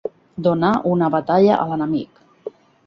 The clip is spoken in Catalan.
Donar una batalla a l'enemic.